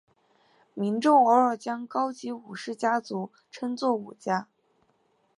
民众偶尔将高级武士家族称作武家。